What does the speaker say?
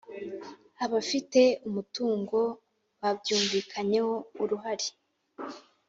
Abafite umutungo babyumvikanyeho uruhare